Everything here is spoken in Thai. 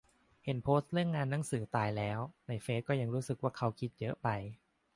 เห็นโพสต์เรื่องงานหนังสือตายแล้วในเฟสก็ยังรู้สึกว่าเค้าคิดเยอะไป